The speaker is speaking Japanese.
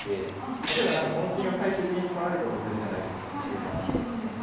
例えばこの金を最終的に取られたとするじゃないですか終盤になったとしてね。